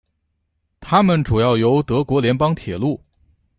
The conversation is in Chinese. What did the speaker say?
它们主要由德国联邦铁路。